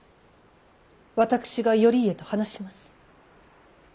私が頼家と話します。